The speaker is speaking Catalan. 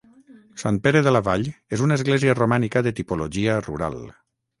Sant Pere de la Vall és una església romànica de tipologia rural.